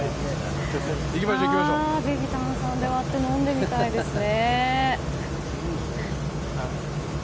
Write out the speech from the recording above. ぜひ炭酸で割って飲んでみたいですね。